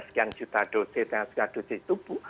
sekian juta dosis dan sekian dosis tubuh